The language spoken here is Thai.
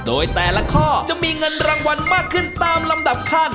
โดยแต่ละข้อจะมีเงินรางวัลมากขึ้นตามลำดับขั้น